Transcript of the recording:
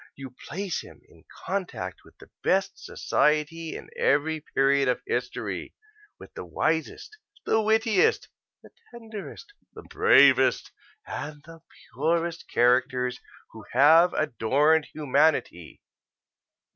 You place him in contact with the best society in every period of history with the wisest, the wittiest, the tenderest, the bravest, and the purest characters who have adorned humanity.